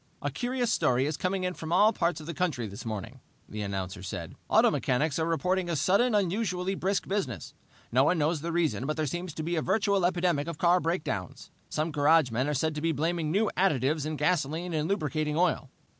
"A curious story is coming in from all parts of the country this morning," the announcer said. "Auto mechanics are reporting a sudden, unusually brisk business. No one knows the reason, but there seems to be a virtual epidemic of car breakdowns. Some garagemen are said to be blaming new additives in gasoline and lubricating oil.